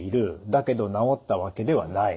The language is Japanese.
だけど治ったわけではない。